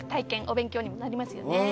お勉強にもなりますよね。